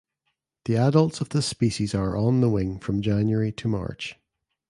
The adults of this species are on the wing from January to March.